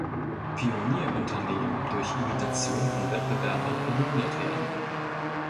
Pionier-Unternehmen durch Imitation von Wettbewerbern eliminiert werden.